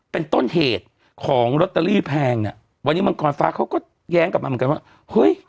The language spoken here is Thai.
เป็นต้นเหตุของลอตเตอรี่แพงน่ะวันนี้มังกรฟ้าเขาก็แย้งกลับมาเหมือนกันว่าเฮ้ย